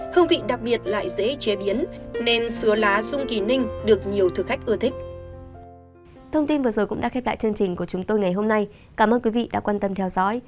hương vị đặc biệt lại dễ chế biến nên sứa lá sung kỳ ninh được nhiều thực khách ưa thích